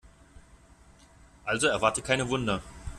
Also erwarte keine Wunder.